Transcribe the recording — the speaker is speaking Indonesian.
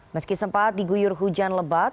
meski sempat diguyur hujan lebat